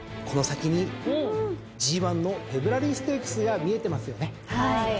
この先にＧⅠのフェブラリーステークスが見えてますよね。